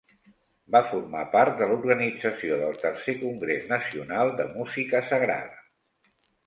Va formar part de l'organització del Tercer Congrés Nacional de Música Sagrada.